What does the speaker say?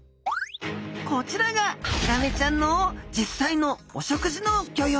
こちらがヒラメちゃんの実際のお食事のギョ様子。